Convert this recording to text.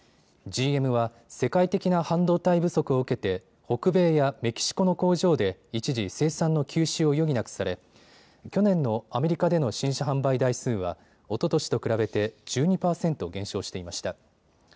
ＧＭは世界的な半導体不足を受けて北米やメキシコの工場で一時、生産の休止を余儀なくされ去年のアメリカでの新車販売台数はおととしと比べて１２％減少していました。